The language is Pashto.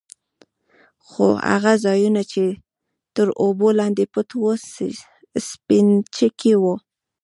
خو هغه ځايونه يې چې تر اوبو لاندې پټ وو سپينچکي وو.